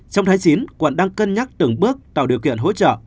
trong tháng chín quận đang cân nhắc từng bước tạo điều kiện hỗ trợ